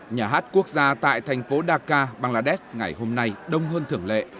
nhà hát quốc gia tại thành phố dhaka bangladesh ngày hôm nay đông hơn thưởng lệ